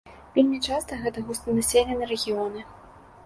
Вельмі часта гэта густанаселеныя рэгіёны.